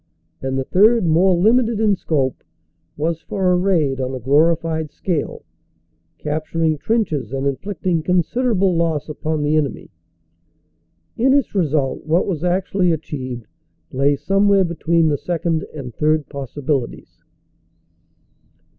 And the third, more limited in scope, was for a raid on a glori fied scale, capturing trenches and inflicting considerable loss upon the enemy. In its result what was actually achieved lay somewhere between the second and third possibilities.